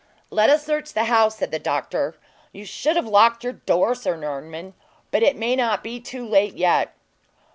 "Let us search the house," said the doctor; "you should have locked your door, Sir Norman; but it may not be too late yet."